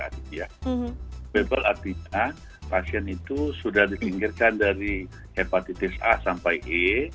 bebable artinya pasien itu sudah disingkirkan dari hepatitis a sampai e